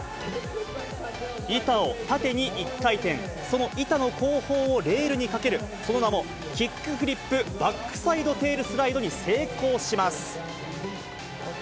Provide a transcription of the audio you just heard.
板を縦に１回転、その板の後方をレールにかける、その名も、キックフリップバックサイドテールスライドに成功します。